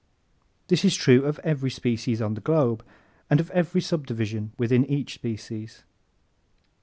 This is true of every species on the globe and of every subdivision within each species.